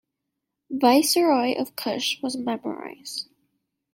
Viceroy of Kush was Merimose.